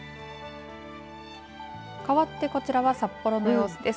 かわってこちらは札幌の様子です。